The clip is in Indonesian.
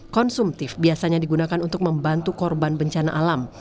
konsumtif biasanya digunakan untuk membantu korban bencana alam